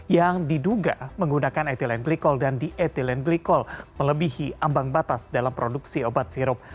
yang diduga menggunakan ethylene glycol dan dietilen glikol melebihi ambang batas dalam produksi obat sirup